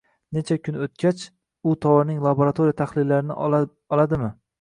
necha kun o‘tgach u tovarning laboratoriya tahlillarini ola oladi?